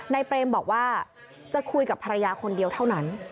เปรมบอกว่าจะคุยกับภรรยาคนเดียวเท่านั้น